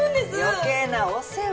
余計なお世話。